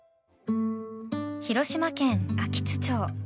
広島県安芸津町。